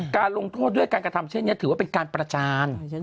การลงโทษด้วยการกระทำเช่นนี้ถือว่าเป็นการประจาน